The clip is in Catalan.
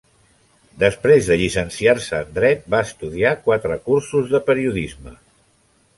Després de llicenciar-se en Dret, va estudiar quatre cursos de Periodisme.